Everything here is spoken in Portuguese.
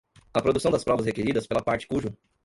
a produção das provas requeridas pela parte cujo